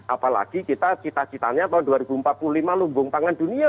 apalagi kita cita citanya tahun dua ribu empat puluh lima lumbung pangan dunia